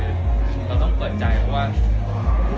เราต้องเปิดใจเพราะว่า